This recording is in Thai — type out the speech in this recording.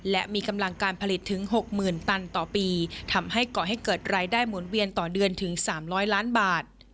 และมีกำลังการผลิตถึง๖๐๐๐ตันต่อปีทำให้ก่อให้เกิดรายได้หมุนเวียนต่อเดือนถึง๓๐๐ล้านบาท